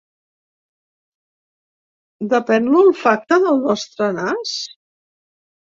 ¿Depèn l’olfacte del nostre nas?